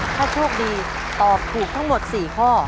ถ้าโชคดีตอบถูกทั้งหมด๔ข้อ